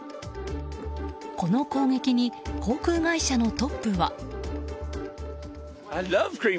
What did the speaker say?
この攻撃に航空会社のトップは。